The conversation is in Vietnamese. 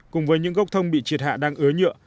cùng với những gốc thông bị triệt hạ đang ứa nhựa